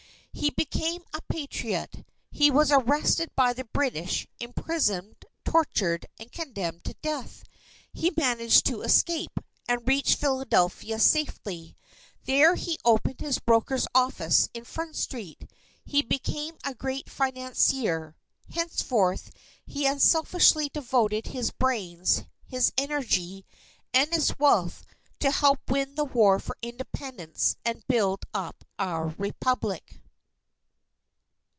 He became a Patriot. He was arrested by the British, imprisoned, tortured, and condemned to death. He managed to escape, and reached Philadelphia safely. There he opened his broker's office in Front Street. He became a great financier. Henceforward he unselfishly devoted his brains, his energy, and his wealth to help win the War for Independence and build up our Republic.